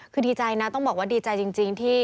คือดีใจนะต้องบอกว่าดีใจจริงที่